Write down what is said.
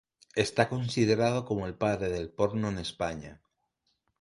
Está considerado como el padre del porno en España.